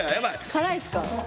辛いですか？